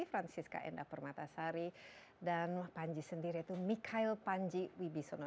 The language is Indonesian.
francisca endah permatasari dan panji sendiri mikhail panji wibisono